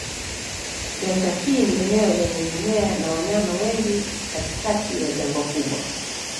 Delta hii ni eneo lenye mimea na wanyama wengi katikati ya jangwa kubwa.